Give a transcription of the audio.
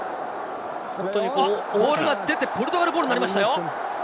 ボールが出て、ポルトガルボールになりましたよ。